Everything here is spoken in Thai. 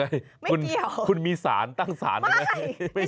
ไม่เกี่ยวไม่มีเหรอคุณมีสารตั้งสารไหมไม่